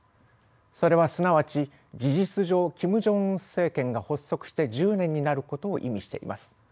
それはすなわち事実上キム・ジョンウン政権が発足して１０年になることを意味しています。